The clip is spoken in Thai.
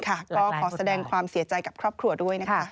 ก็ขอแสดงความเสียใจกับครอบครัวด้วยนะคะ